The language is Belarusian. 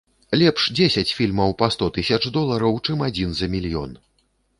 Лепш дзесяць фільмаў па сто тысяч долараў, чым адзін за мільён.